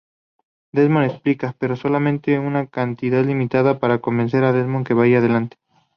Desmond explica, pero solamente una cantidad limitada para convencer a Desmond que vaya adelante.